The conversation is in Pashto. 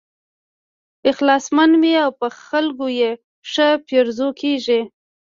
اخلاصمن وي او په خلکو یې ښه پیرزو کېږي.